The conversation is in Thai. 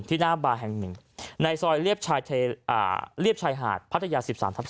ที่หน้าบาร์แห่ง๑ในซอยเลียบชายหาดพัทยา๑๓๒